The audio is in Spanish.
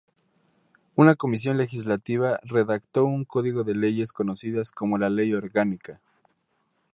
Una comisión legislativa redactó un código de leyes conocidas como la Ley Orgánica.